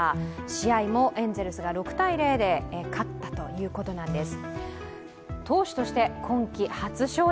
試合もエンゼルスが６−０で勝ったということなんです。